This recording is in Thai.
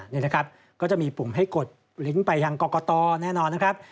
นี่นะครับก็จะมีปุ่มให้กดลิ้นไปยังกรกตแน่นอนนะครับ